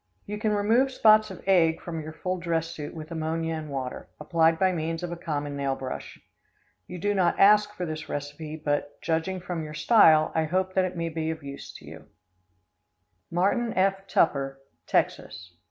] You can remove spots of egg from your full dress suit with ammonia and water, applied by means of a common nail brush. You do not ask for this recipe, but, judging from your style, I hope that it may be of use to you. Martin F. Tupper, Texas.